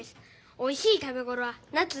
おいしい食べごろは夏で。